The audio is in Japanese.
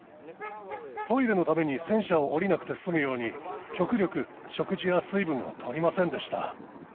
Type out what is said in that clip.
トイレのために戦車を降りなくて済むように、極力、食事や水分をとりませんでした。